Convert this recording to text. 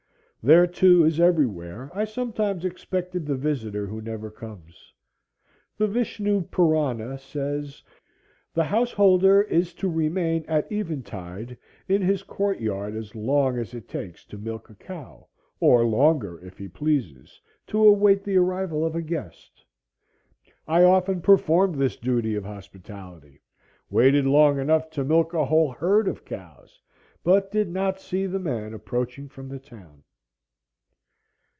There too, as every where, I sometimes expected the Visitor who never comes. The Vishnu Purana says, "The house holder is to remain at eventide in his court yard as long as it takes to milk a cow, or longer if he pleases, to await the arrival of a guest." I often performed this duty of hospitality, waited long enough to milk a whole herd of cows, but did not see the man approaching from the town.